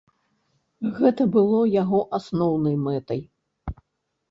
Гэта было яго асноўнай мэтай.